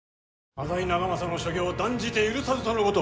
浅井長政の所業断じて許さずとのこと。